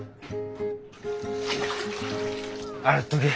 洗っとけ。